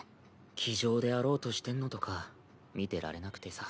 気丈であろうとしてんのとか見てられなくてさ。